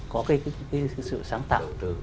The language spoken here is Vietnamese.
có cái sự sáng tạo